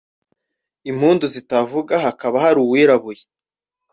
impundu zitavuga hakaba hari uwirabuye